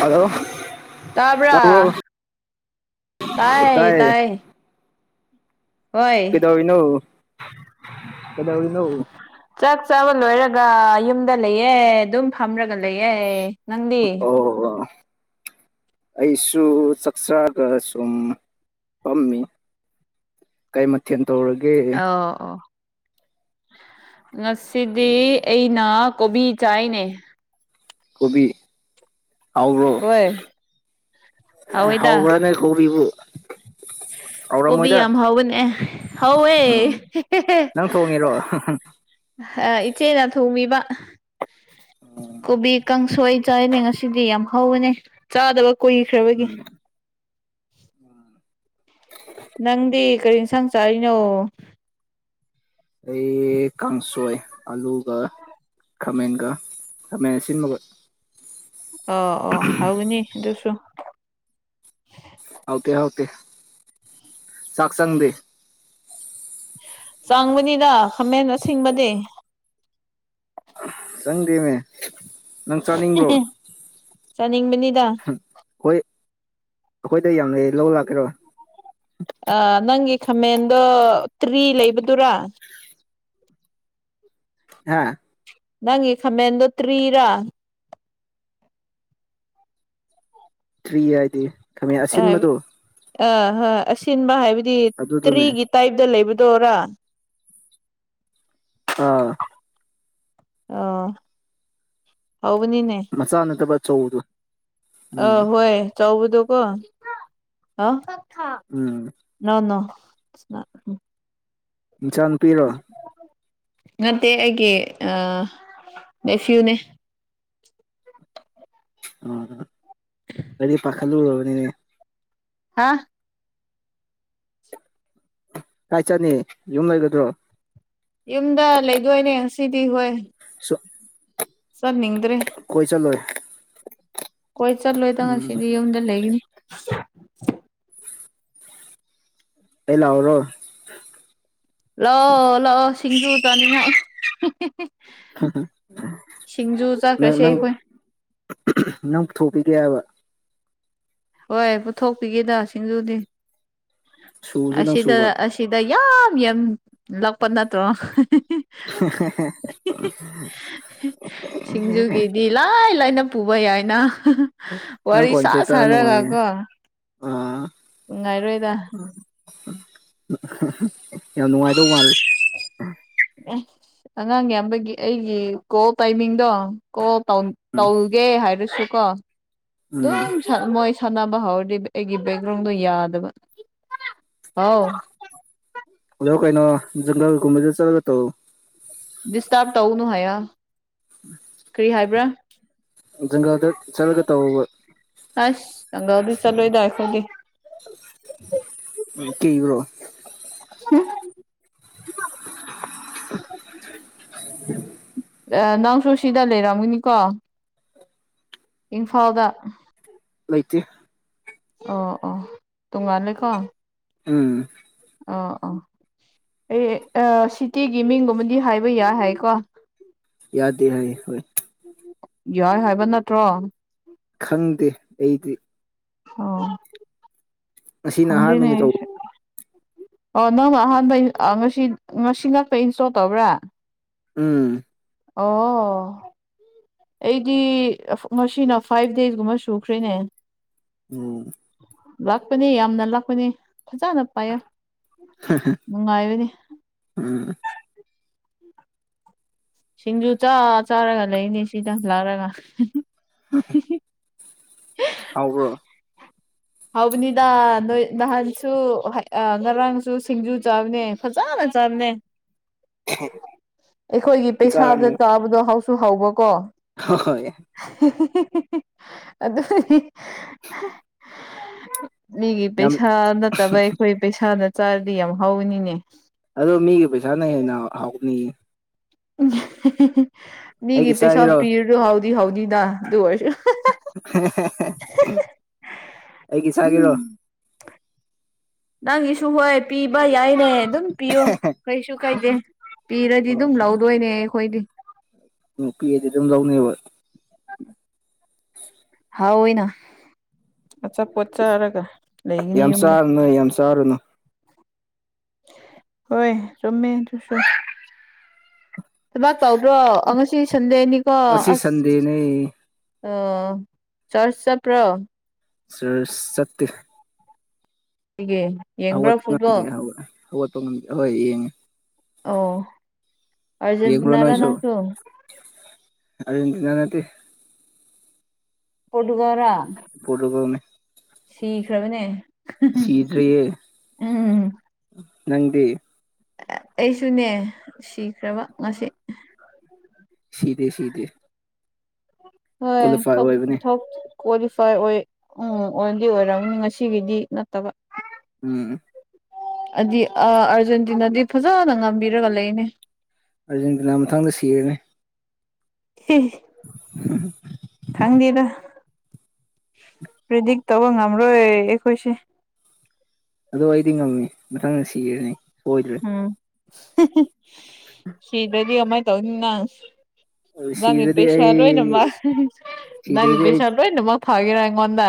hello ꯇꯥꯕ꯭ꯔ ꯇꯥꯕ꯭ꯔꯣ ꯇꯥꯏ ꯇꯥꯏ ꯍꯣꯏ ꯀꯤꯗꯧꯅ ꯀꯗꯥꯧꯔꯤ ꯅꯧ ꯆꯥꯛ ꯆꯥꯕ ꯂꯣꯏꯔꯒ ꯌꯨꯝꯗ ꯂꯩꯑꯦ ꯑꯗꯨꯝ ꯐꯝꯔꯒ ꯂꯩꯌꯦꯦ ꯅꯪꯗꯤ ꯑꯣ [inaudible] ꯑꯩꯁꯨ ꯆꯥꯛꯆꯥꯔꯒ ꯁꯨꯝ ꯄꯝꯃꯤ ꯀꯩ ꯃꯊ ꯑꯣ ꯑꯣ ꯉꯁꯤꯗꯤ ꯑꯩꯅ ꯀꯣꯕꯤ ꯆꯥꯏꯅꯦ ꯀꯣꯕꯤ ꯍꯥꯎꯕ꯭ꯔꯣ ꯍꯣꯏ ꯍꯥꯎꯋꯦꯗ ꯍꯥꯎꯕ꯭ꯔꯅꯦ ꯀꯧꯔꯤꯕꯔꯤꯕꯨ [inaudible] ꯀꯣꯕꯤ ꯌꯥꯝ ꯍꯅꯦ ꯍꯋ ꯑ ꯅꯪ ꯊꯣꯡꯉꯤꯔꯣ ꯥ ꯏꯆꯦꯅ ꯊꯣꯡꯕꯤꯕ ꯀꯣꯕꯤ ꯀꯥꯡꯁꯣꯏ ꯆꯥꯏꯅꯦ ꯉꯁꯤꯗꯤ ꯌꯥꯝ ꯍꯧꯕꯅꯦ ꯆꯥꯗꯕ ꯀꯨꯏꯈ꯭ꯔꯕꯒꯤ ꯎꯝ ꯏꯁꯥꯡ ꯆꯥꯔꯤꯅꯣ ꯑꯩ ꯀꯥꯡꯁꯣꯏ ꯑꯂꯨꯒ ꯈꯥꯃꯦꯟꯒ ꯈꯥꯃꯦꯟ ꯑꯁꯤꯟꯕꯒ ꯑꯣ ꯑꯣ ꯍꯧꯕꯅꯤ ꯑꯗꯨꯁꯨ ꯍꯥꯎꯇꯦ ꯆꯥꯛ ꯍꯥꯎꯇꯦ ꯆꯪꯗꯦ ꯆꯥꯡꯕꯅꯤꯗ ꯈꯥꯃꯦꯟꯕ ꯑꯁꯤꯡꯕꯗꯤ ꯆꯪꯗꯦꯃꯤ ꯅꯪ ꯆꯥꯅꯤꯡꯕ꯭ꯔꯣ ꯆꯥꯅꯤꯡꯕꯅꯤ ꯍꯣꯏ ꯑꯈꯣꯏꯗ ꯌꯥꯝ ꯂꯩ ꯂꯧꯕ ꯂꯥꯛꯀꯦꯔꯣ ꯑꯥ ꯅꯪꯒꯤ ꯈꯥꯃꯦꯟꯗꯣ ꯇ꯭ꯔꯤ ꯂꯩꯕꯗꯨꯔ ꯍꯥꯥ ꯅꯪꯒꯤ ꯈꯥꯃꯦꯟꯗꯣ ꯇ꯭ꯔꯤꯔ ꯊ꯭ꯔꯤ ꯍꯥꯏꯗꯤ ꯈꯥꯃꯦꯟ ꯑꯁꯤꯟꯕꯗꯣ ꯑꯥ ꯍꯣꯏ ꯑꯁꯤꯟꯕ ꯍꯥꯏꯕꯗꯤ ꯑꯗꯨꯗꯨꯅꯦ ꯇ꯭ꯔꯤꯒꯤ ꯇꯥꯏꯞꯇ ꯂꯩꯕꯗꯨꯔ ꯑꯥ ꯑꯧ ꯍꯥꯎꯕꯅꯤꯅꯦ ꯆꯧꯗꯣ ꯑꯥ ꯍꯣꯏ ꯆꯧꯕꯗꯨꯀꯣ ꯍꯥꯎ ꯍꯥ ꯎꯝ ꯅꯣ ꯅꯣ ꯅꯆꯥꯅꯨꯄꯤꯔꯣ ꯉꯠꯇꯦ ꯑꯩꯒꯤ ꯑꯥ ꯅꯦꯐ꯭ꯌꯨꯅꯦ ꯎꯝ ꯑꯩꯗꯤ ꯄꯈꯠꯂꯨꯔꯕꯅꯤ ꯍꯥ ꯀꯥꯏ ꯆꯠꯅꯤ ꯌꯨꯝ ꯂꯩꯒꯗ꯭ꯔꯣ ꯌꯨꯝꯗ ꯂꯩꯗꯣꯏꯅꯦ ꯉꯁꯤꯗꯤ ꯍꯣꯏ [inaudible] ꯆꯠ ꯅꯤꯡꯗ꯭ꯔꯦ ꯀꯣꯏ ꯆꯠꯂꯣꯏ ꯀꯣꯏ ꯆꯠꯂꯣꯏꯗ ꯎꯝ ꯉꯁꯤꯗꯤ ꯌꯨꯝꯗ ꯂꯩꯒꯅꯤ ꯑꯩ ꯂꯥꯛꯎꯔꯣ ꯂꯥꯛꯑꯣ ꯂꯥꯛꯑꯣ ꯁꯤꯡꯖꯨ ꯆꯥꯅꯤꯡꯉꯥꯏ ꯪꯍꯝꯍꯝ ꯁꯤꯡꯖꯨ ꯅꯪ ꯆꯥꯈ꯭ꯔꯁꯦ ꯅꯪ ꯑꯩꯈꯣꯏ ꯅꯪ ꯊꯣꯛꯄꯤꯒꯦ ꯍꯥꯏꯕ ꯍꯣꯏ ꯄꯨꯊꯣꯛꯄꯤꯒꯦꯗ ꯁꯤꯡꯖꯨꯗꯤ ꯁꯨꯁꯨ ꯅꯪ ꯑꯁꯤꯗ ꯁꯨꯕ ꯑꯁꯤꯗ ꯌꯥꯝ ꯌꯥꯝ ꯂꯥꯛꯄ ꯅꯠꯇ꯭ꯔꯣ ꯍꯦ ꯍꯦ ꯁꯤꯡꯖꯨꯒꯤꯗꯤ ꯂꯥꯏ ꯂꯥꯏꯅ ꯄꯨꯕ ꯌꯥꯏꯅ ꯋꯥꯔꯤ ꯈꯣꯟꯁꯦ ꯁꯥ ꯇꯥꯔ ꯁꯥ ꯅꯨꯡꯉꯥꯏꯌꯦ ꯑꯥ ꯉꯥꯏꯔꯣꯏꯗ ꯌꯥꯝ ꯅꯨꯡꯉꯥꯏꯗꯧ ꯃꯥꯜꯂꯦ ꯑꯉꯥꯡ ꯏꯌꯥꯝꯕꯒꯤ ꯑꯩꯒꯤ ꯀꯣꯜ ꯇꯥꯏꯃꯤꯡꯗꯣ ꯀꯣꯜ ꯎꯝ ꯇꯧꯒꯦ ꯍꯥꯏꯔꯁꯨ ꯀꯣ ꯎꯝ ꯗꯨꯝ ꯁꯪ ꯃꯣꯏ ꯁꯥꯟꯅꯕ ꯍꯧꯔꯗꯤ ꯑꯩꯒꯤ ꯕꯦꯛꯒ꯭ꯔꯥꯎꯟꯗꯣ ꯌꯥꯗꯕ ꯍꯥꯎ ꯑꯗꯣ ꯀꯩꯅꯣ ꯖꯪꯒꯜ ꯒꯨꯝꯕꯗ ꯆꯠꯂꯒ ꯇꯧ ꯗꯤꯁꯇꯥꯞꯕ ꯇꯧꯅꯨ ꯍꯥꯏꯌꯣ ꯀꯔꯤ ꯍꯥꯏꯕ꯭ꯔꯥ ꯖꯪꯒꯥꯜꯗ ꯆꯠꯂꯒ ꯇꯧꯑꯧ ꯖꯪꯒꯥꯜꯗꯤ ꯆꯠꯂꯣꯏꯗ ꯑꯈꯣꯏꯗꯤ ꯀꯤꯕ꯭ꯔꯣ [inaudible] ꯅꯪꯁꯨ ꯁꯤꯗ ꯂꯩꯔꯝꯒꯅꯤꯀꯣ ꯏꯝꯐꯥꯜꯗ ꯂꯩꯇꯦ ꯑꯣ ꯑꯣ ꯇꯨꯡꯉꯥꯟꯂꯦꯀꯣ ꯎꯝ ꯑꯣ ꯑꯣ ꯑꯩ ꯁꯤꯇꯤꯒꯤ ꯃꯤꯡꯒꯨꯝꯕꯗꯤ ꯍꯥꯏꯕ ꯌꯥꯏ ꯍꯥꯏꯀꯣ ꯌꯥꯗꯦ ꯍꯥꯏꯌꯦ ꯍꯣꯏ ꯌꯥꯏ ꯍꯥꯏꯕ ꯅꯠꯇ꯭ꯔꯣ ꯈꯪꯗꯦ ꯑꯩꯗꯤ ꯑꯣ ꯑꯁꯤꯅ ꯑꯍꯥꯟꯕꯅꯤ ꯈꯪꯗꯦꯅꯦ ꯇꯧꯕ ꯑꯣ ꯅꯪ ꯑꯍꯥꯟꯕ ꯉꯁꯤ ꯉꯁꯤ ꯉꯥꯛꯇ ꯏꯟꯁꯇꯣꯜ ꯇꯧꯕ꯭ꯔꯥ ꯎꯝ ꯑꯣ ꯑꯩꯗꯤ ꯃꯁꯤꯅ ꯐꯥꯏꯚ ꯗꯦꯁꯀꯨꯝꯕ ꯁꯨꯈ꯭ꯔꯦꯅꯦ ꯎꯝ ꯂꯥꯛꯄꯅꯤ ꯌꯥꯝꯅ ꯂꯥꯛꯄꯅꯤ ꯐꯖꯅ ꯄꯥꯏꯌꯣ ꯅꯨꯡꯉꯥꯏꯕꯅꯤ ꯎꯝ ꯁꯤꯡꯖꯨ ꯆꯥ ꯆꯥꯔꯒ ꯂꯩꯅꯤ ꯁꯤꯗ ꯂꯥꯛꯔꯒ ꯍꯥꯎꯕ꯭ꯔꯣ ꯍꯥꯎꯕꯅꯤꯗ ꯅꯣꯏ ꯅꯍꯥꯟꯁꯨ ꯉꯔꯥꯡꯁꯨ ꯁꯤꯡꯖꯨ ꯆꯥꯕꯅꯦ ꯐꯖꯅ ꯆꯥꯕꯅꯦ ꯑꯦꯍꯦ ꯑꯩꯈꯣꯏꯒꯤ ꯄꯩꯁꯥꯗ ꯆꯥꯕꯗꯣ ꯍꯥꯎꯁꯨ ꯍꯥꯎꯕꯀꯣ ꯍꯣꯏ ꯑꯗꯨꯗꯨꯒꯤ ꯃꯤꯒꯤ ꯌꯥꯝ ꯄꯩꯁꯥ ꯅꯠꯇꯕ ꯑꯩꯈꯣꯏ ꯄꯩꯁꯥꯅ ꯆꯥꯔꯗꯤ ꯌꯥꯝ ꯍꯥꯎꯕꯅꯤꯅꯦ ꯑꯗꯣ ꯃꯤꯒꯤ ꯄꯩꯁꯥꯅ ꯍꯦꯟꯅ ꯍꯥꯎꯅꯤꯌꯦ ꯃꯤꯒꯤ ꯑꯩꯒꯤ ꯄꯩꯁꯥ ꯆꯥꯒꯦꯔꯣ ꯄꯤꯔꯗ ꯍꯥꯎꯗꯤ ꯍꯥꯎꯗꯤꯗ ꯑꯗꯨ ꯑꯣꯏꯔꯁꯨ ꯑꯩꯒꯤ ꯁꯥꯥꯒꯦꯔꯣ ꯎꯝ ꯅꯪꯒꯤꯁꯨ ꯍꯣꯏ ꯄꯤꯕ ꯌꯥꯏꯅꯦ ꯑꯗꯨꯝ ꯄꯤꯌꯣ ꯀꯩꯁꯨ ꯀꯩꯗꯦ ꯄꯤꯔꯗꯤ ꯑꯗꯨꯝ ꯂꯧꯗꯣꯏꯅꯦ ꯑꯩꯈꯣꯏꯗꯤ ꯎꯝ ꯄꯤꯔꯗꯤ ꯑꯗꯨꯝ ꯂꯧ ꯍꯥꯎꯋꯦꯅ ꯑꯆꯥꯄꯣꯠ ꯆꯥꯔꯒ ꯂꯩꯒꯅꯤ ꯌꯨꯝꯗ ꯆꯥꯔꯨꯅꯣ ꯍꯣꯏ ꯆꯨꯝꯃꯦ ꯑꯗꯨꯁꯨ ꯊꯕꯥꯛ ꯇꯧꯗ꯭ꯔꯣ ꯉꯁꯤ ꯁꯟꯗꯦꯅꯤꯀꯣ ꯉꯁꯤ ꯑꯁ ꯁꯟꯗꯦꯅꯦ ꯑꯣ ꯆꯔꯁꯆ ꯆꯠꯄ꯭ꯔꯣ ꯆꯔꯁꯇ ꯒꯤ ꯌꯦꯡꯕ꯭ꯔꯥ ꯍꯧꯋꯥꯄ ꯉꯝꯗꯦ ꯐꯨꯠꯕꯣꯜ ꯍ ꯍꯧꯒꯠꯄ ꯉꯝꯗꯦ ꯍꯣꯏ ꯌꯦꯡꯉꯦ ꯑꯣ ꯌꯦꯡꯕ꯭ꯔꯣ ꯑꯔꯖꯦꯟꯇꯤꯅꯥ ꯔ ꯅꯪꯁꯨ ꯑꯔꯖꯤꯟꯇꯅꯥ ꯅꯠꯇꯦ ꯄꯣꯔꯇꯨꯒꯦꯜꯔꯥ ꯄꯣꯔꯇꯨꯒꯜꯅꯦ ꯁꯤꯈ꯭ꯔꯕꯅꯦ ꯁꯤꯗꯔꯤꯌꯦ ꯎꯝ ꯅꯪꯗꯤ ꯑꯩꯁꯨꯅꯦ ꯁꯤꯈ꯭ꯔꯕ ꯉꯁꯤ ꯁꯤꯗꯦ ꯁꯤꯗꯦ ꯍꯣꯏ ꯀ꯭ꯋꯥꯂꯤꯐꯥꯏ ꯊꯣꯛ ꯑꯣꯏꯕꯅꯦ ꯊꯣꯛ ꯀ꯭ꯋꯥꯂꯤꯐꯥꯏ ꯑꯣꯏ ꯎꯝ ꯑꯣꯏꯗꯤ ꯑꯣꯏꯔꯝꯅꯤ ꯉꯁꯤꯒꯤꯗꯤ ꯅꯠꯇꯕ ꯎꯝ ꯑꯗꯨꯗꯤ ꯑꯥꯔꯖꯦꯟꯇꯤꯅꯥꯗꯤ ꯐꯖꯅ ꯉꯝꯕꯤꯔꯒ ꯂꯩꯅꯦ ꯑꯥꯔꯖꯦꯟꯇꯤꯅꯥ ꯃꯊꯥꯡꯗ ꯁꯤꯔꯅꯤ ꯍꯤ ꯎꯝ ꯄꯔꯤꯗꯛ ꯇꯧꯕ ꯉꯝꯔꯣꯢ ꯑꯩꯈꯣꯏꯁꯦ ꯑꯗꯣ ꯑꯩꯗꯤ ꯉꯝꯃꯤ ꯃꯊꯪꯗ ꯁꯤꯔꯦꯅꯤ ꯁꯣꯏꯗ꯭ꯔꯦ ꯁꯤꯕꯗꯤ ꯑꯃꯥꯏ ꯇꯧꯅꯤ ꯅꯪ ꯅꯪꯒꯤ ꯁꯤꯗꯗꯤ ꯄꯩꯁꯥ ꯑꯩ ꯂꯣꯏꯅꯃꯛ ꯅꯪꯒꯤ ꯁꯤꯗ꯭ꯔꯗꯤ ꯑꯩ ꯄꯩꯁꯥ ꯂꯣꯏꯅꯃꯛ ꯊꯥꯒꯦꯔ ꯑꯩꯉꯣꯟꯗ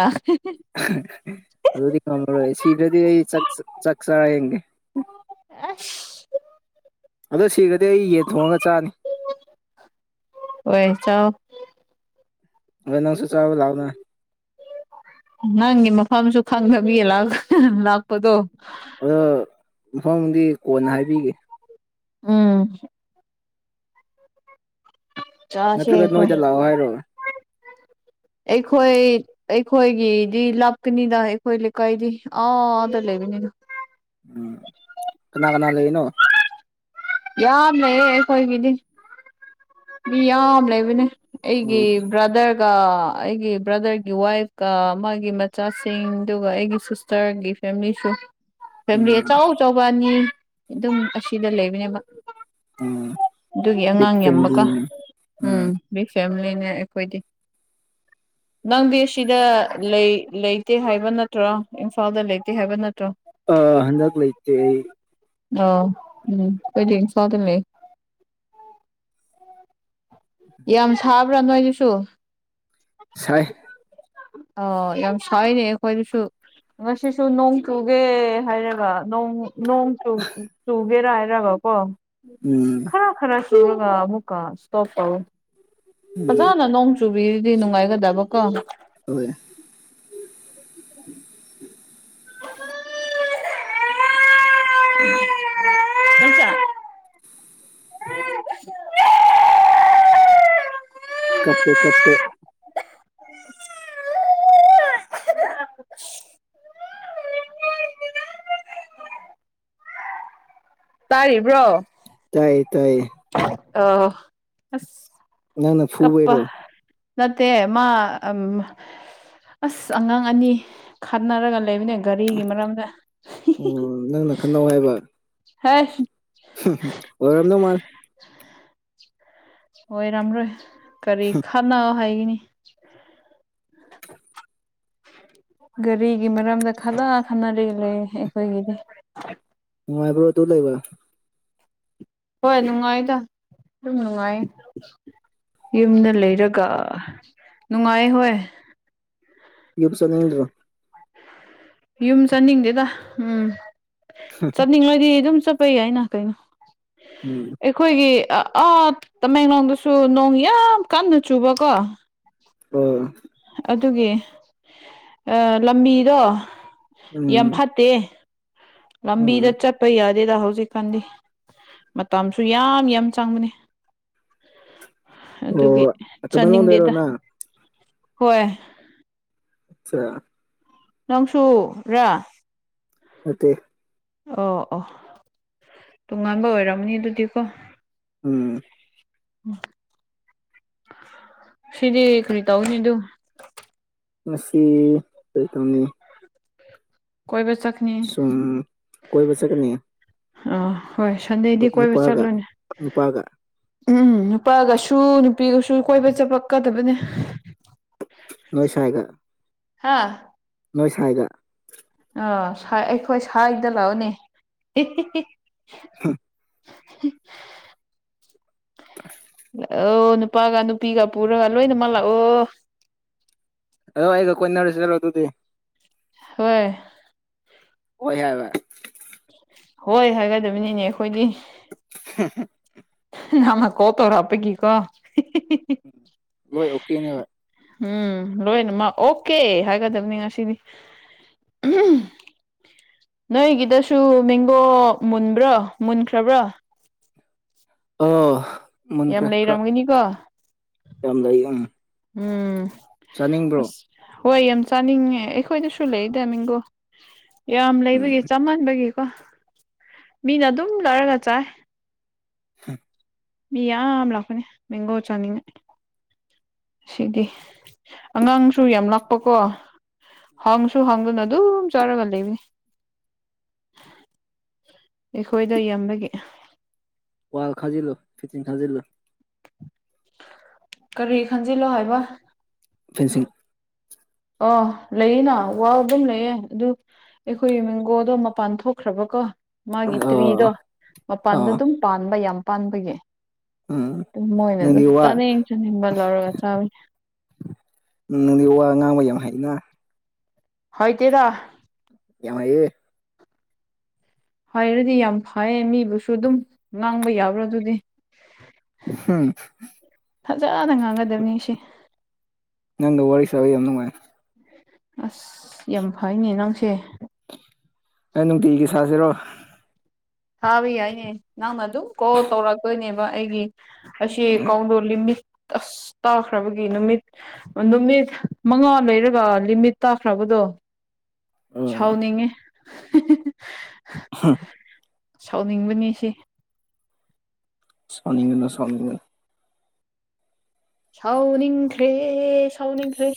ꯑꯗꯨꯗꯤ ꯀꯝꯃꯔꯣꯏ ꯁꯤꯗ꯭ꯔꯗꯤ ꯑꯩ ꯆꯥꯛ ꯆꯥꯔꯥ ꯌꯦꯡꯒꯦ ꯑꯁ ꯑꯗꯣ ꯁꯤꯈꯗꯤ ꯑꯩ ꯌꯦꯟ ꯊꯣꯡꯉꯒ ꯆꯥꯅꯤ ꯍꯣꯏ ꯆꯥꯎ ꯍꯣꯢ ꯅꯪꯁꯨ ꯆꯥꯕ ꯂꯥꯎꯅ ꯈꯪꯁꯨ ꯈꯪꯗꯕꯤꯌꯦ ꯂꯥꯎ ꯀꯥꯢꯅ ꯂꯛꯄꯗꯣ ꯑꯗꯣ ꯃꯐꯝꯗꯤ ꯀꯣꯟꯅ ꯍꯥꯏꯕꯤꯒꯦ ꯎꯝ ꯆꯥꯁꯦ ꯅꯠꯇ꯭ꯔꯒ ꯅꯣꯏꯗ ꯑꯩꯈꯣꯏ ꯂꯥꯛꯑꯣ ꯍꯥꯏꯔꯣ ꯑꯩꯈꯣꯏ ꯑꯩꯈꯣꯏꯒꯤꯗꯤ ꯂꯥꯞꯀꯅꯤꯗ ꯑꯩꯈꯣꯏ ꯂꯩꯀꯥꯏꯗꯤ ꯑꯥꯗ ꯂꯩ ꯕꯅꯤꯗ ꯎꯝ ꯀꯅꯥ ꯀꯅꯥ ꯂꯩꯔꯤꯅꯣ ꯌꯥꯝ ꯂꯩꯌꯦ ꯑꯩꯈꯣꯏ ꯒꯤꯗꯤ ꯃꯤ ꯌꯥꯝ ꯂꯩꯕꯅꯦ ꯑꯩꯒꯤ ꯑꯣ ꯕ꯭ꯔꯗꯔꯒ ꯑꯩꯒꯤ ꯕ꯭ꯔꯗꯔꯒꯤ ꯋꯥꯏꯐꯀ ꯃꯥꯒꯤ ꯃꯆꯥꯁꯤꯡ ꯑꯗꯨꯒ ꯑꯩꯒꯤ ꯁꯤꯁꯇꯔꯒꯤ ꯐꯦꯃꯤꯂꯤꯁꯨ ꯐꯦꯃꯤꯂꯤ ꯎꯝ ꯑꯆꯧ ꯑꯆꯧꯕ ꯑꯅꯤ ꯑꯗꯨꯝ ꯑꯁꯤꯗ ꯂꯩꯕꯅꯦꯕ ꯎꯝ ꯑꯗꯨꯒꯤ ꯕꯤꯛ ꯑꯉꯥꯡ ꯌꯕꯀꯣ ꯐꯦꯃꯤꯂꯤꯅꯦ ꯎꯝ ꯕꯤꯛ ꯐꯦꯃꯤꯂꯤ ꯑꯩꯈꯣꯏꯗꯤ [inaudible] ꯅꯪꯗꯤ ꯁꯤꯗ ꯂꯩ ꯂꯩꯇꯦ ꯍꯥꯏꯕ ꯅꯠꯇ꯭ꯔꯣ ꯏꯝꯐꯥꯜꯗ ꯂꯩꯇꯦ ꯍꯥꯏꯕ ꯅꯠꯇ꯭ꯔꯣ ꯑ ꯍꯟꯗꯛ ꯂꯩꯇꯦ ꯑꯩ ꯑꯣ ꯎꯝ ꯢꯝꯐꯜꯗ ꯂꯩꯌꯦ ꯌꯥꯝ ꯁꯥꯕ꯭ꯔꯥ ꯅꯣꯏꯗꯨꯁꯨ ꯁꯥꯢ ꯑꯣ ꯌꯥꯝ ꯁꯅꯦꯈꯣꯏꯗꯨꯁꯨ ꯉꯁꯤꯁꯨ ꯅꯣꯡ ꯆꯨꯒꯦ ꯍꯥꯏꯔꯒ ꯅꯣꯡ ꯅꯣꯡ ꯆꯨꯒꯦꯔꯥ ꯍꯥꯏꯔꯒ ꯀꯣ ꯎꯝ ꯈꯔ ꯈꯔ ꯆꯨꯔꯒ ꯑꯃꯨꯀ ꯁꯦꯞ ꯇꯧꯑꯦ ꯎꯝ ꯐꯖꯅ ꯅꯣꯡ ꯆꯨꯕꯤꯔꯗꯤ ꯅꯨꯡꯉꯥꯏꯒꯗꯕ ꯀꯣ [unintelligible] [unintelligible] [unintelligible] [unintelligible] ꯀꯞꯦ ꯀꯞꯦ [unintelligible] ꯇꯥꯔꯤꯕ꯭ꯔꯣ ꯇꯥꯏꯌꯦ ꯇꯥꯏꯌꯦ ꯑ ꯑꯁ ꯅꯪꯅꯪ ꯐꯨꯕ ꯑꯣꯏꯔꯣ ꯀꯞꯄ ꯅꯠꯇꯦ ꯃꯥ ꯎ ꯑꯁ ꯑꯉꯥꯡ ꯑꯅꯤ ꯈꯅꯔꯒ ꯂꯩꯕꯅꯦ ꯒꯥꯔꯤꯒꯤ ꯃꯔꯝꯗ ꯑꯣ ꯅꯪꯅ ꯍ ꯑꯣꯏꯔꯝꯗ ꯃꯥ ꯑꯣꯏꯣꯏ ꯔꯃꯔꯣ ꯀꯔꯤ ꯈꯥꯟꯅꯥ ꯍꯥꯏꯒꯤꯅꯤ ꯒꯥꯔꯤꯒꯤ ꯃꯔꯝꯗ ꯈꯂ ꯈꯟꯅꯔꯤ ꯂꯩ ꯑꯩꯈꯣꯏꯒꯤꯗꯤ ꯃꯅꯨꯡꯉꯥꯏꯕ꯭ꯔ ꯇꯨ ꯂꯩꯕ ꯍꯣꯏ ꯅꯨꯡꯉꯥꯏꯗ ꯑꯗꯨꯝ ꯅꯨꯡꯉꯥꯏ ꯌꯨꯝꯗ ꯂꯩꯔꯒ ꯅꯨꯡꯉꯥꯏ ꯍꯣꯏ ꯌꯞꯁ꯭ꯔꯣ ꯌꯨꯝ ꯆꯠꯅꯤꯡꯗꯦꯗ ꯎꯝ ꯆꯠꯅꯤꯡꯂꯣꯏꯗꯤ ꯑꯗꯨꯝ ꯆꯠꯄ ꯌꯥꯏꯅ ꯀꯩꯅꯣ ꯎꯝ ꯑꯩꯈꯣꯏꯒꯤ ꯑꯥ ꯇꯃꯦꯡꯂꯣꯡꯗꯁꯨ ꯅꯣꯡ ꯌꯥꯝ ꯀꯥꯟꯅ ꯆꯨꯕꯀꯣ ꯑꯣ ꯑꯗꯨꯒꯤ ꯂꯝꯕꯤꯗꯣ ꯌꯥꯝ ꯎꯝ ꯐꯠꯇꯦ ꯂꯝꯝꯕꯤꯗ ꯎꯝ ꯆꯄ ꯌꯥꯔ ꯑꯗꯨꯗ ꯍꯧꯖꯤꯛꯀꯥꯟꯗꯤ ꯃꯇꯝꯁꯨ ꯌꯥꯝ ꯌꯥꯝ ꯆꯪꯕꯅꯤ ꯑꯗꯨꯒꯤ ꯑꯣ ꯇꯃꯦꯡꯂꯣꯡꯗꯩꯔꯣ ꯆꯥꯅꯤꯡꯗꯦꯗ ꯅꯪ ꯍꯣꯏ ꯑꯆꯥ ꯅꯪꯁꯨꯨ ꯔ [unintelligible] ꯑꯣ ꯑꯣ ꯇꯣꯉꯥꯟꯕ ꯑꯣꯏꯔꯝꯅꯤ ꯑꯗꯨꯗꯤꯀꯣ ꯎꯝ ꯁꯤꯗꯤ ꯀꯔꯤ ꯇꯎꯅꯤꯗ ꯃꯁꯤ ꯀꯔꯤ ꯇꯧꯅꯤ ꯀꯣꯏꯕ ꯆꯠꯀꯅꯤ ꯁꯨꯝ ꯀꯣꯏ ꯆꯀꯅꯤ ꯑꯥ ꯍꯣꯏ ꯁꯟꯗꯦꯗꯤ ꯀꯣꯏꯕ ꯆꯠꯂꯨꯅꯦ ꯅꯨꯄꯥꯒ ꯎꯝ ꯅꯨꯄꯥꯒꯁꯨ ꯅꯨꯄꯤꯒꯁꯨ ꯀꯣꯏꯕ ꯆꯠꯄꯀꯗꯕꯅꯦ ꯅꯣꯏ ꯁꯥꯏꯒ ꯍꯥꯥ ꯅꯣꯏ ꯁꯋꯥꯗ ꯑꯥ ꯑꯩꯈꯣꯏ ꯁꯥꯏꯗ ꯂꯥꯛꯑꯣꯅꯦ [unintelligible] ꯑꯥ ꯑ ꯅꯨꯄꯥꯒ ꯅꯨꯄꯤꯒ ꯄꯨꯔꯒ ꯂꯣꯏꯅ ꯃꯂ ꯑꯣ ꯑ ꯑꯩꯒ ꯀꯣꯏꯟꯅꯁ ꯇꯗꯤ ꯍꯣꯏ ꯑꯣ ꯍꯦ ꯍꯣꯏ ꯍꯥꯏꯒꯗꯕꯅꯤꯅꯦ ꯑꯩꯈꯣꯏꯗꯤ [inaudible] ꯉꯃ ꯀꯠꯇꯧꯔ ꯑꯄꯥꯒꯤ ꯀꯣ ꯂꯣꯏ ꯑꯣꯀꯦꯅꯦꯕ ꯎꯝ ꯂꯣꯏꯅ ꯑꯣꯀꯦ ꯍꯥꯏꯒꯗꯕꯅꯤ ꯉꯁꯤꯗꯤ ꯅꯣꯏꯒꯤꯗꯁꯨ ꯃꯦꯡꯒꯣ ꯃꯨꯟꯕ꯭ꯔꯣ ꯃꯨꯟꯈ꯭ꯔꯕ꯭ꯔꯥ ꯌꯥꯝ ꯂꯩꯔꯝꯒꯅꯤꯀꯣ [unintelligible] ꯎꯝ ꯆꯥꯅꯤꯡꯕ꯭ꯔꯣ ꯑꯁ ꯍꯣꯏ ꯌꯥꯝ ꯆꯥꯅꯤꯡꯉꯦ ꯑꯩꯈꯣꯏꯗꯁꯨ ꯂꯩꯗ ꯃꯤꯡꯒꯣ ꯌꯥꯝ ꯎꯝ ꯂꯩꯕꯒꯤ ꯆꯝꯟꯕꯒꯤ ꯃꯤꯅ ꯑꯗꯨꯝ ꯂꯧꯔꯒ ꯆꯥꯏ [inaudible] ꯃꯤ ꯌꯥꯝ ꯂꯥꯛꯄꯅꯦ ꯃꯦꯡꯒꯣ ꯆꯥꯅꯤꯡꯉ ꯁꯤꯗꯤ ꯑꯉꯥꯡꯁꯨ ꯌꯥꯝ ꯂꯥꯛꯄꯀꯣ ꯍꯪꯁꯨ ꯍꯪꯗꯨ ꯅ ꯑꯗꯨ ꯆꯔꯒ ꯂꯩ [inaudible] ꯑꯩꯈꯣꯏꯗ ꯌꯥꯝꯕꯒꯤ ꯋꯥꯜ ꯈꯖꯤꯂꯣ ꯐꯤꯇꯤꯡ ꯈꯖꯤꯂꯣ ꯀꯔꯤ ꯈꯟꯖꯤꯜꯂꯣ ꯍꯥꯏꯕ ꯐꯦꯟꯁꯤꯡ ꯑ ꯂꯩꯌꯦꯅ ꯋꯥ ꯑꯗꯨꯝ ꯂꯩꯌꯦ ꯑꯗꯨ ꯑꯩꯈꯣꯏ ꯃꯦꯡꯒꯣꯗꯣ ꯃꯄꯥꯟ ꯊꯣꯛꯈ꯭ꯔꯕꯀꯣ ꯃꯥꯒꯤ ꯇ꯭ꯔꯤꯗꯣ ꯑꯣ ꯃꯄꯥꯟꯗ ꯑꯣ ꯑꯗꯨꯝ ꯄꯥꯟꯕ ꯌꯥꯝ ꯄꯥꯟꯕꯒꯤ ꯎꯝ ꯑꯗꯨ ꯃꯣꯏꯅ ꯅꯪꯗꯤ ꯗꯨꯝ ꯋꯥ ꯆꯥꯅꯤꯡ ꯆꯥꯅꯤꯡꯕ ꯂꯧꯔꯒ ꯆꯥꯕꯩ ꯎꯝ ꯅꯪꯗꯤ ꯋꯥ ꯉꯥꯡꯕ ꯌꯥꯝ ꯍꯩꯅ ꯍꯩꯇꯦꯗꯥ ꯌꯥꯃ ꯍꯩꯌꯦ ꯍꯥꯏꯔꯗꯤ ꯌꯥꯝ ꯐꯩꯌꯦ ꯃꯤꯕꯨꯁꯨ ꯑꯗꯨꯝ ꯉꯥꯡꯕ ꯌꯥꯕ꯭ꯔꯥ ꯑꯗꯨꯗꯤ ꯎꯝ ꯐꯖꯅ ꯉꯥꯡꯒꯗꯕꯅꯤ ꯁꯤ ꯅꯪꯒꯥ ꯋꯥꯔꯤ ꯁꯥꯕꯥ ꯌꯥꯝ ꯅꯨꯡꯉꯥꯢ ꯑꯁ ꯌꯥꯝ ꯐꯩꯅꯦ ꯅꯪꯁꯦ ꯑꯦ ꯅꯨꯡꯇꯤꯒꯤ ꯁꯥꯁꯤꯔꯣ ꯁꯥꯕ ꯌꯥꯏꯅꯦ ꯅꯪꯅ ꯑꯗꯨꯝ ꯀꯣꯜ ꯇꯧꯔꯛꯇꯣꯏꯅꯦꯕ ꯑꯩꯒꯤ ꯑꯁꯤ ꯀꯣꯜꯗꯣ ꯂꯤꯃꯤꯠ ꯑꯁ ꯇꯥꯈ꯭ꯔꯕꯒꯤ ꯅꯨꯃꯤꯠ ꯅꯨꯃꯤꯠ ꯃꯉꯥ ꯂꯩꯔꯒ ꯂꯤꯃꯤꯠ ꯇꯥꯈ꯭ꯔꯕꯗꯣ ꯇꯣ ꯎꯝ ꯁꯥꯎꯅꯤꯡꯉꯦ ꯍꯝ ꯁꯥꯎꯅꯤꯡꯕꯅꯤ ꯁꯤ ꯁꯥꯎꯅꯤꯡꯒꯅꯨ ꯁꯥꯎꯅꯤꯡꯒꯅꯨ ꯁꯥꯎꯅꯤꯡꯈ꯭ꯔꯦ ꯁꯥꯎꯅꯤꯡꯈ꯭ꯔꯦ